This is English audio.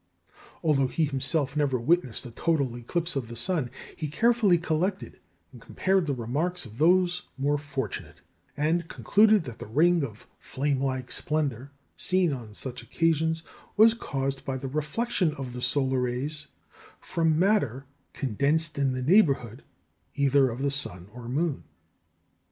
Although he himself never witnessed a total eclipse of the sun, he carefully collected and compared the remarks of those more fortunate, and concluded that the ring of "flame like splendour" seen on such occasions was caused by the reflection of the solar rays from matter condensed in the neighbourhood either of the sun or moon.